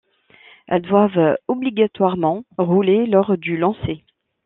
Elles doivent obligatoirement rouler lors du lancer.